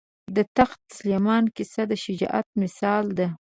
د تخت سلیمان کیسه د شجاعت مثال ده.